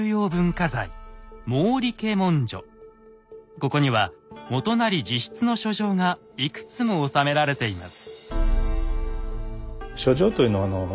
ここには元就自筆の書状がいくつも収められています。